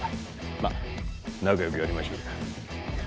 まっ仲良くやりましょうや。